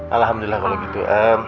alhamdulillah kalau gitu